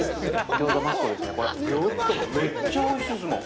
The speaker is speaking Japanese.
餃子、めっちゃおいしいですもん！